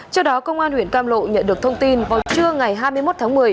trước đó công an huyện cam lộ nhận được thông tin vào trưa ngày hai mươi một tháng một mươi